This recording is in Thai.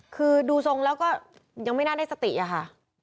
คือดูทรงแล้วก็ยังไม่น่าได้สติอะค่ะ